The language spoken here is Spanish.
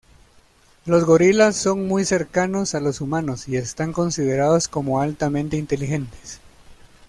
Los gorilas son muy cercanos a los humanos y están considerados como altamente inteligentes.